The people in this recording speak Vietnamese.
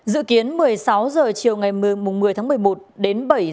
dự kiến một mươi sáu h chiều ngày một mươi tháng một mươi một đến bảy h ba mươi